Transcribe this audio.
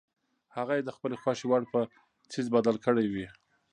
هغه یې د خپلې خوښې وړ په څیز بدل کړی وي.